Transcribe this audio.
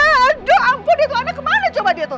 aduh ampun dia tuh anak kemana coba dia tuh